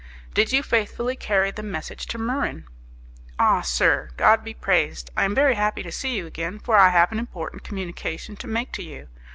"Did you faithfully carry the message to Muran?" "Ah, sir! God be praised! I am very happy to see you again, for I have an important communication to make to you.